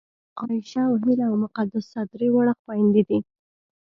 عایشه او هیله او مقدسه درې واړه خوېندې دي